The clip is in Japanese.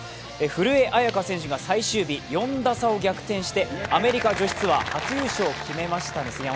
古江彩佳選手が最終日、４打差を逆転してアメリカ女子ツアー初優勝を決めました。